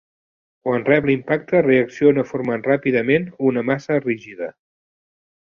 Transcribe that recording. Quan rep l'impacte reacciona formant ràpidament una massa rígida.